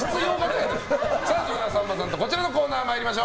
それではさんまさんとこちらのコーナーに参ります。